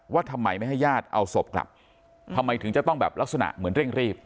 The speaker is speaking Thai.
ว่าทำไมไม่ให้ญาติเอาศพกลับทำไมถึงจะต้องแบบลักษณะเหมือนเร่งรีบ